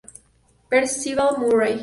Percival Murray